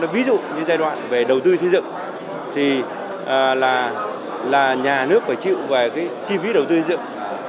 ví dụ như giai đoạn về đầu tư xây dựng thì là nhà nước phải chịu về cái chi phí đầu tư xây dựng